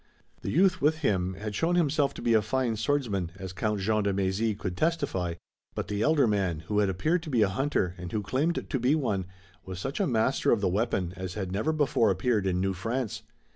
The youth with him had shown himself to be a fine swordsman, as Count Jean de Mézy could testify, but the elder man, who had appeared to be a hunter, and who claimed to be one, was such a master of the weapon as had never before appeared in New France.